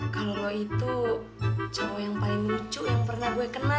kalau lo itu jamu yang paling lucu yang pernah gue kenal